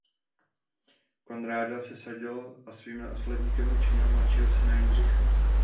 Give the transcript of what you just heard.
Konráda sesadil a svým následníkem učinil mladšího syna Jindřicha.